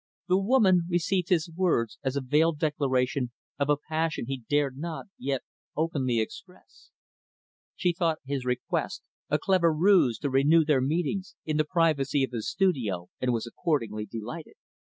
The woman received his words as a veiled declaration of a passion he dared not, yet, openly express. She thought his request a clever ruse to renew their meetings in the privacy of his studio, and was, accordingly delighted.